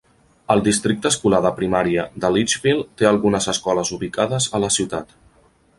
El Districte escolar de primària de Litchfield té algunes escoles ubicades a la ciutat.